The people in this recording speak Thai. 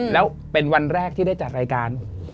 แล้วเป็นวันแรกที่ได้จัดรายการ